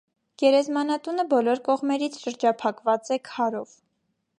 Գերեզմանատունը բոլոր կողմերից շրջափակված է քարով։